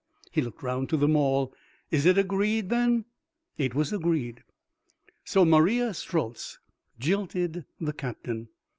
He looked round to them all. "Is it agreed then?" It was agreed. So Maria Strultz jilted the Captain.